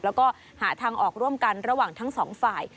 แล้วก็หาทางออกร่วมกันระหว่างทั้งสองฝ่าย